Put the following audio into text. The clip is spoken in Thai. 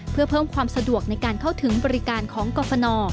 เพื่อเพิ่มความสะดวกในการเข้าถึงบริการของกรฟน